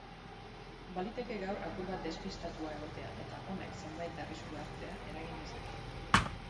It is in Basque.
Baliteke gaur apur bat despitatua egotea eta honek zenbait arrisku hartzea eragin dezake.